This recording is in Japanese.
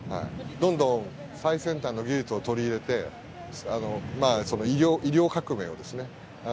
どんどん最先端の技術を取り入れて医療革命をですね